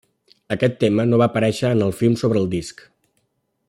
Aquest tema no va aparèixer en el film sobre el disc.